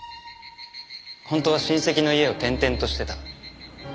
本当は親戚の家を転々としてた。